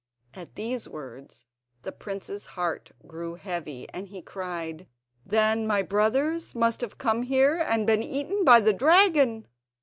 At these words the prince's heart grew heavy, and he cried, "Then my brothers must have come here, and have been eaten by the dragon!"